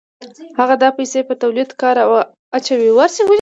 هغه دا پیسې په تولیدي کار اچوي